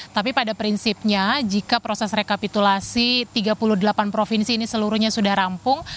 tapi pada prinsipnya jika proses rekapitulasi tiga puluh delapan provinsi ini seluruhnya sudah rampung